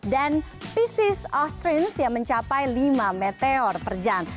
dan pisces austrin yang mencapai lima meteor per jam